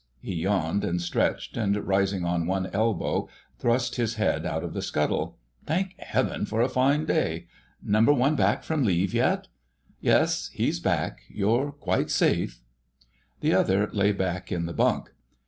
He yawned and stretched, and rising on one elbow, thrust his head out of the scuttle. "Thank Heaven for a fine day! Number One back from leave yet?" "Yes, he's back: you're quite safe." The other lay back in the bunk.